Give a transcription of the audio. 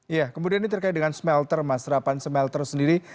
iya kemudian ini terkait dengan smelter mas serapan smelter sendiri